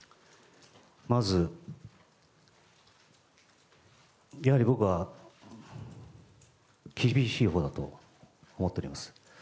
まず、やはり僕は厳しいほうだと思っております。